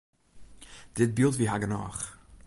Dit byld wie har genôch.